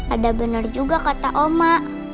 ada benar juga kata oma